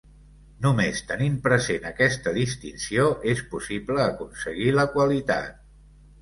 Només tenint present aquesta distinció és possible aconseguir la qualitat.